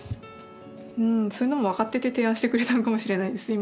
そういうのもわかってて提案してくれたのかもしれないですね